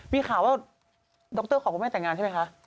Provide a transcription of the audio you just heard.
มีข่าวว่าดรของคุณแม่แต่งงานใช่ไหมคะ